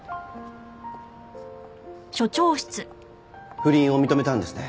不倫を認めたんですね？